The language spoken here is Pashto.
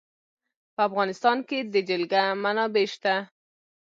په افغانستان کې د جلګه منابع شته.